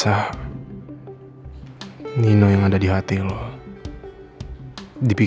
aku nyatanya putih terlihat biasa